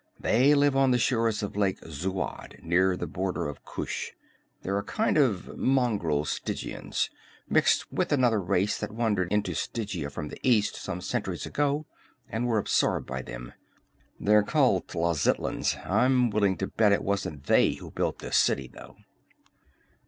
They live on the shores of Lake Zuad, near the border of Kush. They're a sort of mongrel Stygians, mixed with another race that wandered into Stygia from the east some centuries ago and were absorbed by them. They're called Tlazitlans. I'm willing to bet it wasn't they who built this city, though."